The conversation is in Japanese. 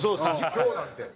今日なんて。